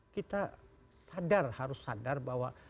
kita sadar harus sadar bahwa